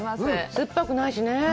酸っぱくないしね。